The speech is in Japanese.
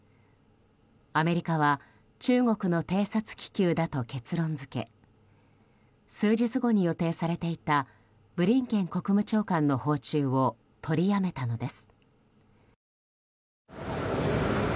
アメリカは中国の偵察気球だと結論付け数日後に予定されていたブリンケン国務長官の訪中を取りやめたのです。